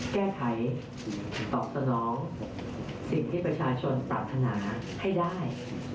แก้ไขตอบสนองสิ่งที่ประชาชนปรารถนาให้ได้